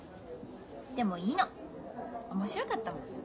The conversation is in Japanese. でもいいの。面白かったもん。